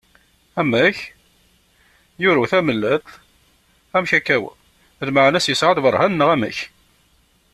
Amek! yuru tamellalt, amek akka wa? Lmeɛna-s yesɛa lberhan neɣ amek?